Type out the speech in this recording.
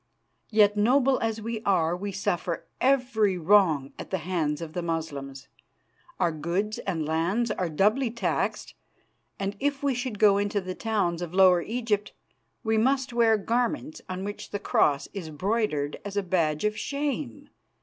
Yet, noble as we are, we suffer every wrong at the hands of the Moslems. Our goods and lands are doubly taxed, and, if we should go into the towns of Lower Egypt, we must wear garments on which the Cross is broidered as a badge of shame.